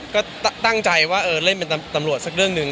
ก็ตั้งใจว่าเออเล่นเป็นตำรวจสักเรื่องหนึ่ง